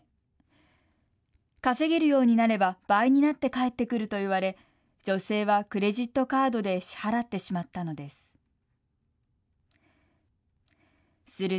稼げるようになれば倍になって返ってくると言われ女性はクレジットカードで支払ってしまったのです。